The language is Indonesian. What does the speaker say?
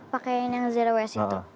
pakaian yang zero waste itu